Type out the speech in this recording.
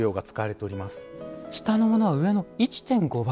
下のものは上の１．５倍。